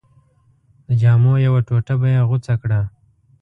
د جامو یوه ټوټه به یې غوڅه کړه.